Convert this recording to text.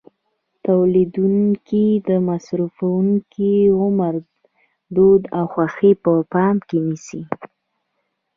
تولیدوونکي د مصرفوونکو عمر، دود او خوښې په پام کې نیسي.